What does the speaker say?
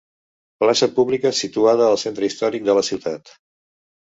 Plaça pública situada al centre històric de la ciutat.